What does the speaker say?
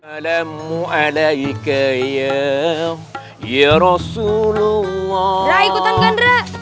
alamu alaika ya ya rasulullah ikutan